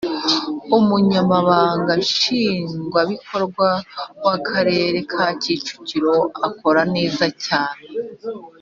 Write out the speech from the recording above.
Umunyamabanga Nshingwabikorwa w Akarere ka kicukiro akora neza cyane